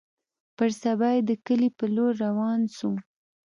پر سبا يې د کلي په لور روان سوم.